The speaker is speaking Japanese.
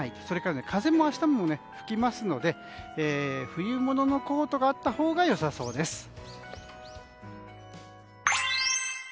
それから風も明日も吹きますので冬物のコートがあったほうが良さそうです。